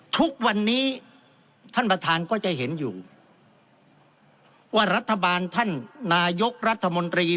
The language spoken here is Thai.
ทุกวันนี้ท่านประธานก็จะเห็นอยู่ว่ารัฐบาลท่านนายกรัฐมนตรี